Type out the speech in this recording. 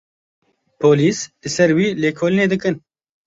Polîs li ser wî lêkolînê dikin.